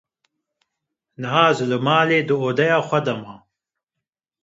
Niha, Ez li malê di odeya xwe de me.